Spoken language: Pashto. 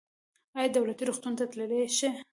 ایا دولتي روغتون ته تللی شئ؟